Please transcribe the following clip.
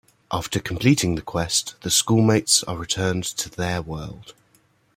After completing the quest, the schoolmates are returned to their world.